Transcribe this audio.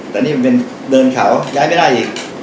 แต่นี่มันเป็นเดินเขาย้ายไม่ได้อีก